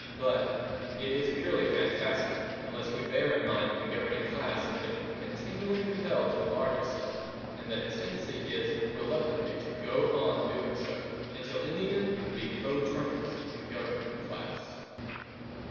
But it is purely fantastic unless we bear in mind that the governing class has been continually compelled to enlarge itself, and that its tendency is reluctantly to go on doing so until in the end it will be coterminous with the "governed class."